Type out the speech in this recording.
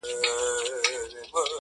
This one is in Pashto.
اوس عجيبه جهان كي ژوند كومه؛